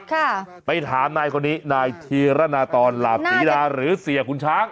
ค่ะไปถามนายคนนี้นายธีรณาตอนหลาบศรีดาหรือเสียคุณช้าง